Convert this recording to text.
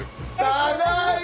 ただいま。